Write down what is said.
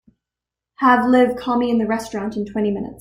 Have Liv call me in the restaurant in twenty minutes.